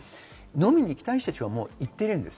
飲みに行きたい人たちはもう行っています。